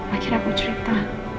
akhirnya aku cerita